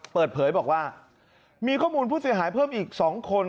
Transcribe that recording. เปิดเผยบอกว่ามีข้อมูลผู้เสียหายเพิ่มอีก๒คน